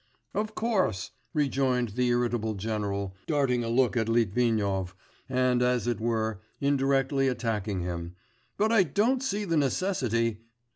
'Of course,' rejoined the irritable general, darting a look at Litvinov, and as it were indirectly attacking him, 'but I don't see the necessity....